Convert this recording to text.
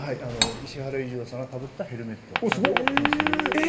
石原裕次郎さんがかぶったヘルメットなどを展示しております。